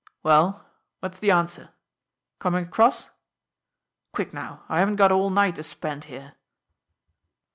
Well, what's the answer? Coming across? Quick now! I haven't got all night to spend here!"